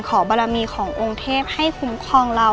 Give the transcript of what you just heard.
บารมีขององค์เทพให้คุ้มครองเรา